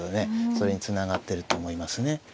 それにつながってると思いますね。